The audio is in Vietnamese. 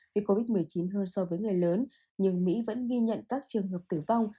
vì covid một mươi chín hơn so với người lớn nhưng mỹ vẫn ghi nhận các trường hợp tử vong